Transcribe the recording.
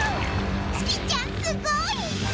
シキちゃんすごい！